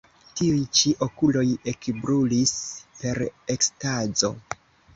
Tiuj ĉi okuloj ekbrulis per ekstazo.